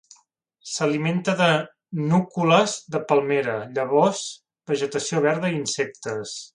S'alimenta de núcules de palmera, llavors, vegetació verda i insectes.